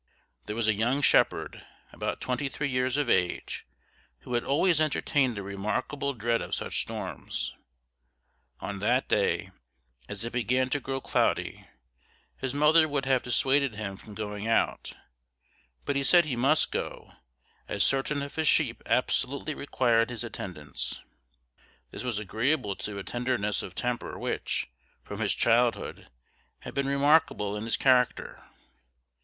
There was a young shepherd, about twenty three years of age, who had always entertained a remarkable dread of such storms; on that day, as it began to grow cloudy, his mother would have dissuaded him from going out, but he said he must go, as certain of his sheep absolutely required his attendance. This was agreeable to a tenderness of temper which, from his childhood, had been remarkable in his character.